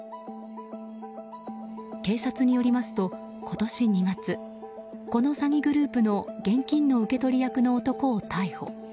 警察によりますと、今年２月この詐欺グループの現金の受け取り役の男を逮捕。